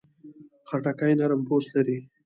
خټکی نرم پوست لري.